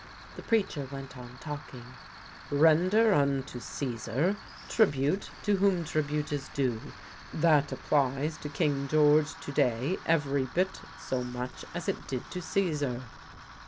The preacher went on talking. "Render unto Caesar ... tribute to whom tribute is due. That applies to King George to day every bit so much as it did to Caesar."